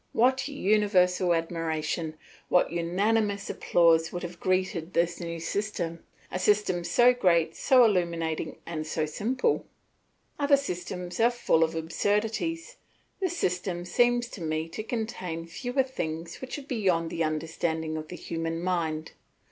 What universal admiration, what unanimous applause would have greeted this new system a system so great, so illuminating, and so simple. Other systems are full of absurdities; this system seems to me to contain fewer things which are beyond the understanding of the human mind.